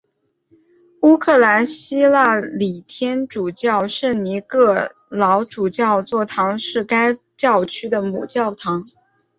乌克兰希腊礼天主教圣尼各老主教座堂是该教区的母教堂。